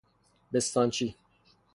بستانچی